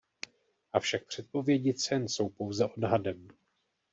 Avšak předpovědi cen jsou pouze odhadem.